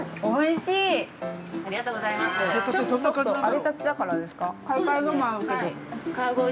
おいしいー。